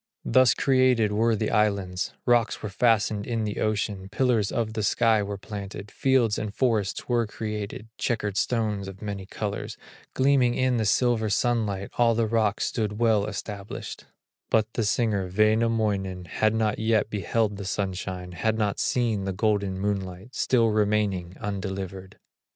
Thus created were the islands, Rocks were fastened in the ocean, Pillars of the sky were planted, Fields and forests were created, Checkered stones of many colors, Gleaming in the silver sunlight, All the rocks stood well established; But the singer, Wainamoinen, Had not yet beheld the sunshine, Had not seen the golden moonlight, Still remaining undelivered.